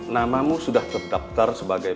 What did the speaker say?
namamu sudah terdaftar sebagai